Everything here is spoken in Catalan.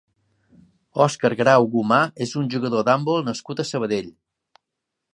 Òscar Grau Gomar és un jugador d'handbol nascut a Sabadell.